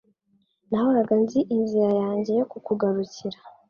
nahoraga nzi inzira yanjye yo kukugarukira